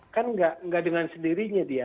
kan nggak dengan sendirinya dia